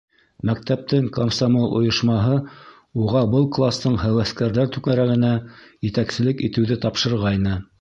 Мәктәптең комсомол ойошмаһы уға был кластың һәүәҫкәрҙәр түңәрәгенә етәкселек итеүҙе тапшырғайны.